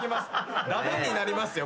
駄目になりますよ